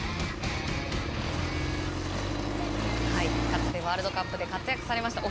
かつてワールドカップで活躍されました